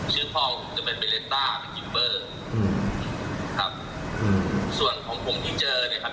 ชื่อพ่อคือเป็นเบรรต้าครับส่วนของผมที่เจอนะครับ